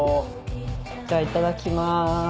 じゃあいただきます。